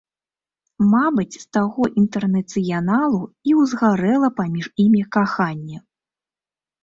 Мабыць, з таго інтэрнацыяналу і ўзгарэла паміж імі каханне.